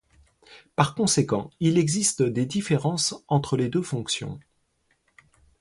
Par conséquent, il existe des différences entre les deux fonctions.